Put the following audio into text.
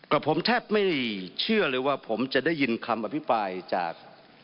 กับผมแทบไม่ได้เชื่อเลยว่าผมจะได้ยินคำอภิปรายจาก